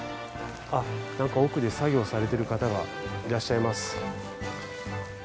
あっなんか奥で作業されてる方がいらっしゃいます。